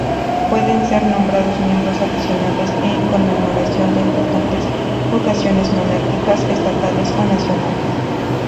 Pueden ser nombrados miembros adicionales en conmemoración de importantes ocasiones monárquicas, estatales o nacionales.